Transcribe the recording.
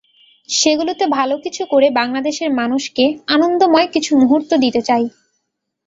সেগুলোতে ভালো কিছু করে বাংলাদেশের মানুষকে আনন্দময় কিছু মুহূর্ত দিতে চাই।